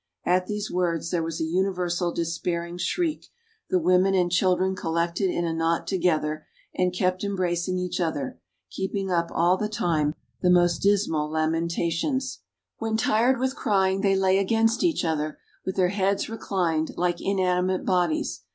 At these words there was a universal despairing shriek. The women and children collected in a knot together, and kept embracing each other, keeping up, all the time, the most dismal lamentations. When tired with crying they lay against each other, with their heads reclined, like inanimate bodies.